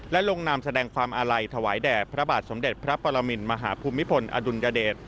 และลงนามแสดงความอาลัยถวายแด่พระบาทสมเด็จพระปรมินมหาภูมิพลอดุลยเดช